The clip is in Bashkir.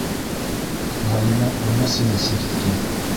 - Ғәлимә үңәсенә сиртте.